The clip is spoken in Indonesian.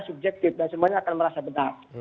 subjektif dan semuanya akan merasa benar